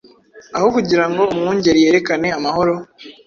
Aho kugira ngo umwungeri yerekane amahoro,